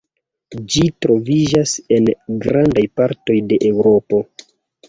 Ĝi troviĝas en grandaj partoj de Eŭropo.